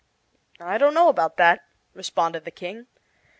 "I don't know about that," responded the King.